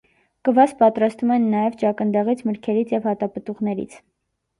Կվաս պատրաստում են նաև ճակնդեղից, մրգերից և հատապտուղներից։